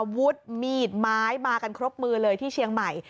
อาวุธมีดไม้มากันครบมือเลยที่เชียงใหม่